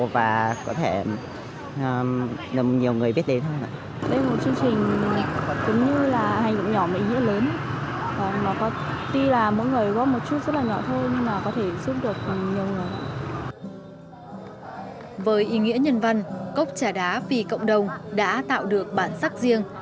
với ý nghĩa nhân văn cốc trà đá vì cộng đồng đã tạo được bản sắc riêng